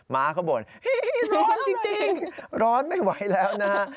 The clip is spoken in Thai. ้าเขาบ่นร้อนจริงร้อนไม่ไหวแล้วนะฮะ